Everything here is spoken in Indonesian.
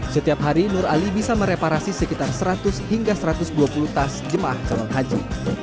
setiap hari nur ali bisa mereparasi sekitar seratus hingga satu ratus dua puluh tas jemaah calon haji